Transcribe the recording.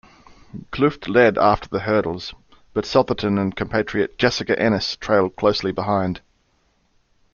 Klüft led after the hurdles, but Sotherton and compatriot Jessica Ennis trailed closely behind.